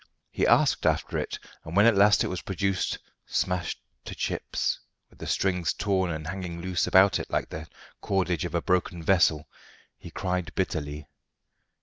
He asked after it, and when at last it was produced, smashed to chips, with the strings torn and hanging loose about it like the cordage of a broken vessel, he cried bitterly.